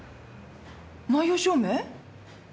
内容証明？